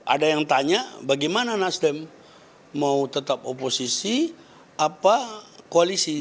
ada yang tanya bagaimana nasdem mau tetap oposisi apa koalisi